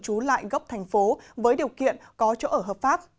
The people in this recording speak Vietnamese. chú lại gốc tp hcm với điều kiện có chỗ ở hợp pháp